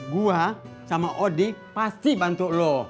gua sama odi pasti bantu lu